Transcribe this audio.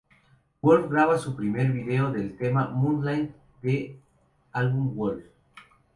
Wolf graba su primer video, del tema "moonlight" del álbum Wolf.